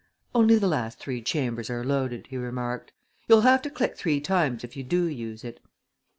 "Only the last three chambers are loaded," he remarked. "You'll have to click three times if you do use it.